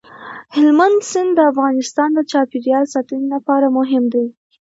هلمند سیند د افغانستان د چاپیریال ساتنې لپاره مهم دی.